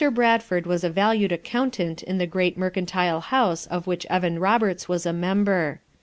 Bradford was a valued account ant in the great mercantile house of which Evan Roberts was a member.